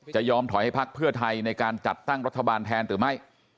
จะยอมถอยให้พักเพื่อไทยในการจัดตั้งรัฐบาลแทนหรือไม่